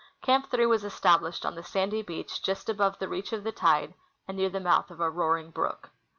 Camp 3 was established on the sandy beach just above the reach of the tide and near the mouth of a roaring l)rook.